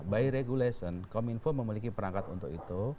by regulation kominfo memiliki perangkat untuk itu